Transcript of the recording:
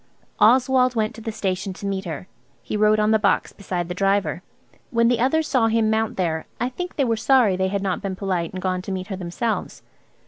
Oswald went to the station to meet her. He rode on the box beside the driver. When the others saw him mount there I think they were sorry they had not been polite and gone to meet her themselves.